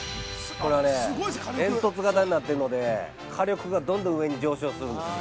これは煙突型になっているので火力がどんどん上昇するんです。